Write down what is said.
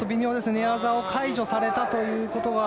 寝技を解除されたということは。